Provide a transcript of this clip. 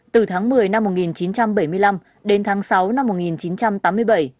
từ tháng một mươi năm một nghìn chín trăm bảy mươi năm đến tháng sáu năm một nghìn chín trăm tám mươi bảy